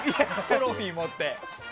トロフィーを持って。